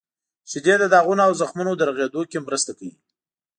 • شیدې د داغونو او زخمونو د رغیدو کې مرسته کوي.